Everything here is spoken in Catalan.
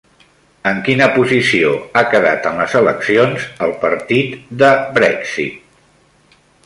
En quina posició ha quedat en les eleccions el Partit de Brexit?